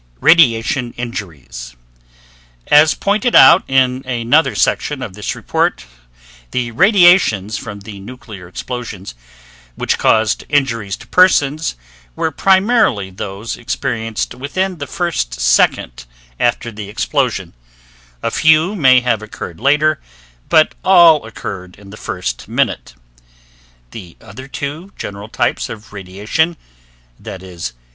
RADIATION INJURIES As pointed out in another section of this report the radiations from the nuclear explosions which caused injuries to persons were primarily those experienced within the first second after the explosion; a few may have occurred later, but all occurred in the first minute. The other two general types of radiation, viz.